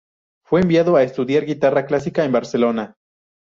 Fue enviado a estudiar guitarra clásica en Barcelona.